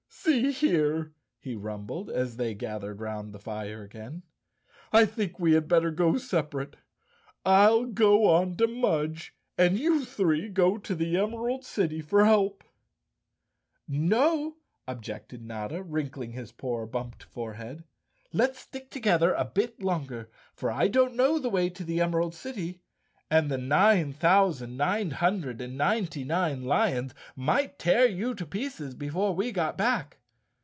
"See here," he rumbled, as they gathered round the fire again, "I think we had better separate. I'll go on to Mudge and you three go to the Emerald City for help." "No," objected Notta, wrinkling his poor bumped 196 _ Chapter Fourteen forehead, " let's stick together a bit longer, for I don't know the way to the Emerald City, and the nine thou¬ sand nine hundred and ninety nine lions might tear you to pieces before we got back.